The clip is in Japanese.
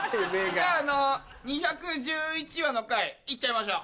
じゃあ２１１話の回行っちゃいましょう。